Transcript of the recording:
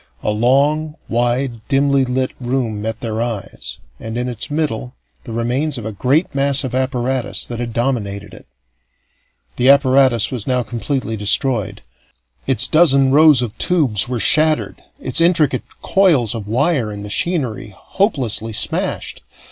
A long, wide, dimly lit room met their eyes, and in its middle the remains of a great mass of apparatus that had dominated it. The apparatus was now completely destroyed. Its dozen rows of tubes were shattered, its intricate coils of wire and machinery hopelessly smashed.